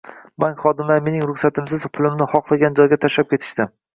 Bank xodimlari mening ruxsatimsiz pulimni xohlagan joyga tashlab ketishdi